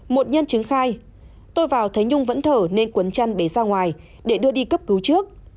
một nhân chứng khai tôi vào thấy nhung vẫn thở nên quấn chăn bế ra ngoài để đưa đi cấp cứu trước